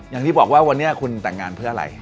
อย่างที่บอกว่าวันนี้คุณแต่งงานเพื่ออะไร